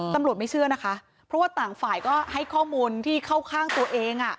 ไม่เชื่อนะคะเพราะว่าต่างฝ่ายก็ให้ข้อมูลที่เข้าข้างตัวเอง